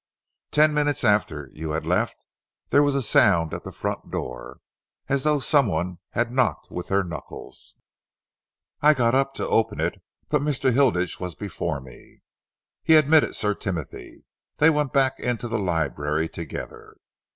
Ten minutes after you had left, there was a sound at the front door as though some one had knocked with their knuckles. I got up, to open it but Mr. Hilditch was before me. He admitted Sir Timothy. They went back into the library together.